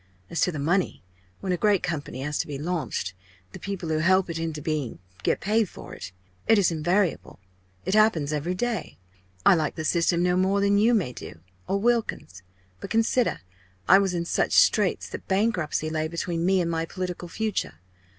As to the money when a great company has to be launched, the people who help it into being get paid for it it is invariable it happens every day. I like the system no more than you may do or Wilkins. But consider. I was in such straits that bankruptcy lay between me and my political future.